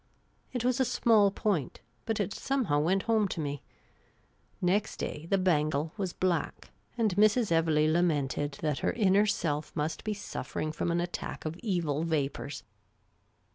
It was a small point, but it somehow went home to me. Next day the bangle was black, and Mrs. Evelegh lamented that her inner self must be suffering from an attack of evil vapours.